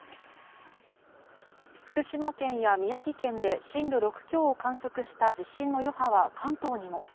福島県や宮城県で震度６強を観測した地震の余波は関東にも。